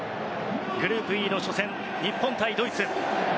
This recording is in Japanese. グループＥの初戦日本対ドイツ。